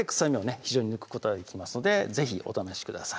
非常に抜くことができますので是非お試しください